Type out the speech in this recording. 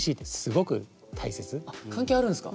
関係あるんすか。